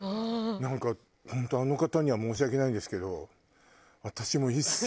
なんか本当あの方には申し訳ないんですけど私も一切。